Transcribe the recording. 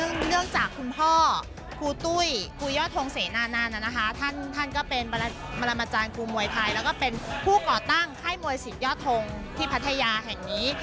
เนื่องจากคุณพ่อครูตุ้ยครูยอดทงเสนานานน่ะนะคะท่านท่านก็เป็นมรมจรครูมวยไทยแล้วก็เป็นผู้ก่อตั้งไข้มวยศิลป์ยอดทงที่พัทยาแห่งนี้